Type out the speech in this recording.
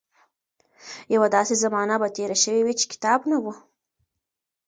يوه داسې زمانه به تېره شوې وي چې کتاب نه و.